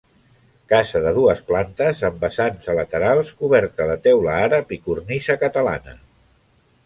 Casa de dues plantes, amb vessant a laterals, coberta de teula àrab i cornisa catalana.